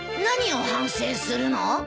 何を反省するの？